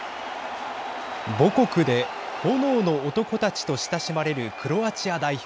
母国で炎の男たちと親しまれるクロアチア代表。